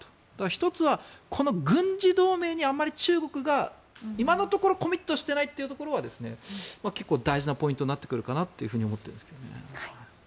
１つは、軍事同盟にあまり中国が今のところコミットしていないというところは結構、大事なポイントになってくるかなと思ってるんですけどね。